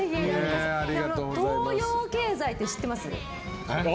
東洋経済って知ってます？